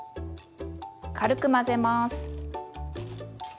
軽く混ぜます。